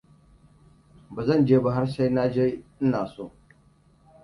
Ba zan je ba har sai na ji ina so.